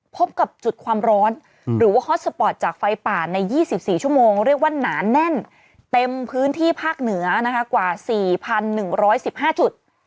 พบกับจุดความร้อนหรือว่าฮอตสปอร์ตจากไฟป่าใน๒๔ชั่วโมงเรียกว่าหนาแน่นเต็มพื้นที่ภาคเหนือนะคะกว่า๔๑๑๕จุด